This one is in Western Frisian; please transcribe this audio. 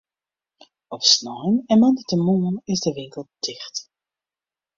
Op snein en moandeitemoarn is de winkel ticht.